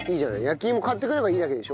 焼き芋買ってくればいいだけでしょ？